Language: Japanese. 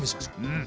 うん。